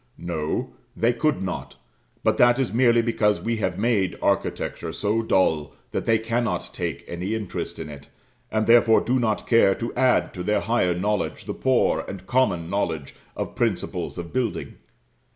No, they could not; but that is merely because we have made architecture so dull that they cannot take any interest in it, and, therefore, do not care to add to their higher knowledge the poor and common knowledge of principles of building.